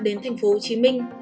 đến thành phố hồ chí minh